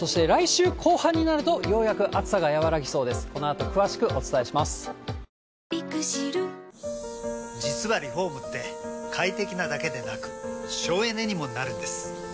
土日は季節外れの３５度以上、実はリフォームって快適なだけでなく省エネにもなるんです。